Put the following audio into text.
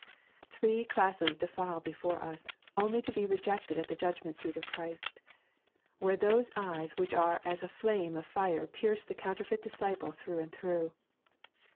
Three classes defile before us, only to be rejected at the judgment seat of Christ, where those eyes which are as a fl&me of fire pierce the counterfeit disciple through and through.